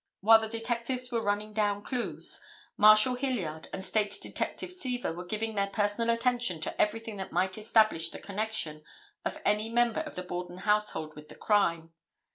While the detectives were running down clues, Marshal Hilliard and State Detective Seaver were giving their personal attention to everything that might establish the connection of any member of the Borden household with the crime.